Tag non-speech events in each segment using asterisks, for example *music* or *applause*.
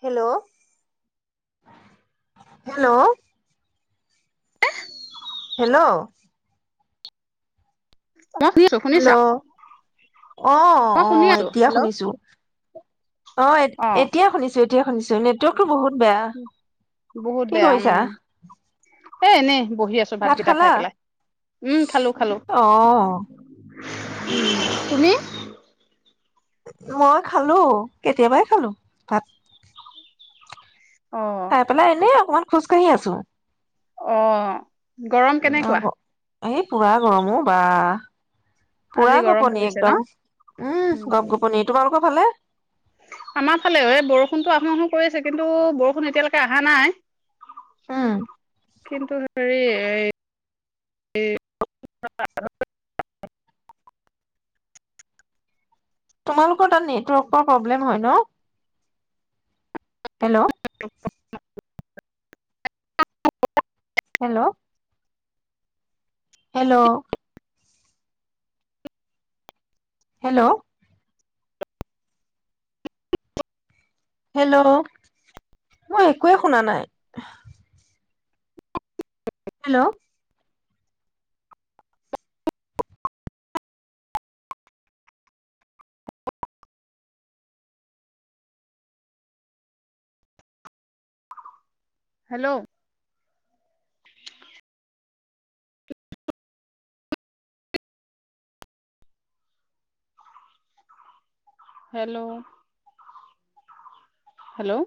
Hello hello hello মই শুনি আছো হেল্ল' শুনিছা অ মই শুনি আহ আছো এতিয়া হেল্ল' শুনিছো অ এতিয়া শুনিছো শনিছো নেৱ বহুত বেয়া। বহুত কি বেয়া উম কৰিছা? এ এনেই বহি আছো ভাত ভাতকেইটা খালা? খাই পেলাই উম খালো খালো অ', উম, তুমি মই খালো কেতিয়াবাই খালো ভাত অ খাই পেলাই এনে অকমান খোজ কাহি আছো অ গৰম কেনেকুৱা এই পুৰা গৰমো বা আজি পুৰা গৰম গোপনি পৰিছে ন একদম, উম গপ গপনি তোমালোক হালে *unintelligible* আমাৰ ফালে এ বৰষুণতো আহোঁ আহো কৰি আছে কিন্তু বৰষুণ এতিয়ালৈকে অহা নাই উম, কিন্তু হ *unintelligible* তোমালোকৰ তাত নেটৱৰ্কৰ প্ৰব্লেম হয় ন? Hello hello hello hello hello মই একোৱে শুনা নাই হেল্ল' হেল্ল' হেল্ল' হেল্ল'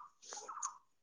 সটো *unintelligible*